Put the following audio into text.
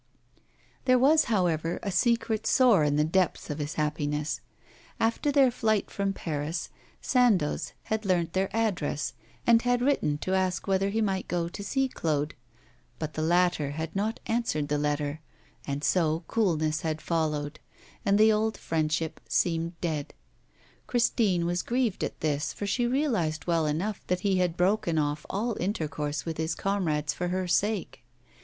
There was, however, a secret sore in the depths of his happiness. After their flight from Paris, Sandoz had learnt their address, and had written to ask whether he might go to see Claude, but the latter had not answered the letter, and so coolness had followed, and the old friendship seemed dead. Christine was grieved at this, for she realised well enough that he had broken off all intercourse with his comrades for her sake.